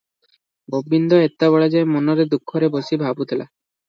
ଗୋବିନ୍ଦା ଏତେବେଳେ ଯାଏ ମନର ଦୁଃଖରେ ବସି ଭାବୁଥିଲା ।